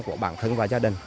của bản thân và gia đình